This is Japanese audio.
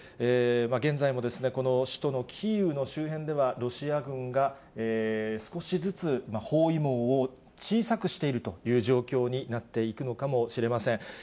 現在もこの首都のキーウの周辺では、ロシア軍が少しずつ包囲網を小さくしているという状況になっていくのかもしれません。